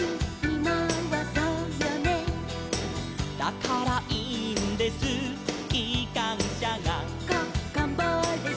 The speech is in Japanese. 「だからいいんですきかんしゃが」